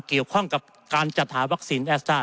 เกี่ยวข้องกับการจัดหาวัคซีนแอสต้า